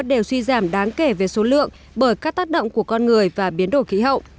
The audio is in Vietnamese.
đều suy giảm đáng kể về số lượng bởi các tác động của con người và biến đổi khí hậu